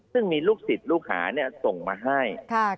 ซึ่งมีลูกศิษย์ลูกหาส่งมาให้